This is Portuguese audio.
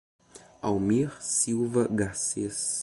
Almir Silva Garcez